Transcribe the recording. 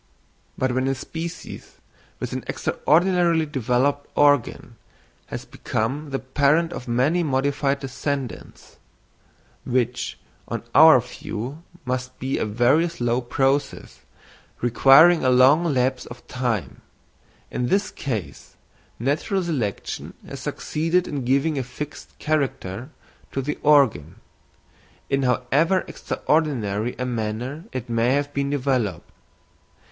But when a species with an extraordinarily developed organ has become the parent of many modified descendants—which on our view must be a very slow process, requiring a long lapse of time—in this case, natural selection has succeeded in giving a fixed character to the organ, in however extraordinary a manner it may have been developed.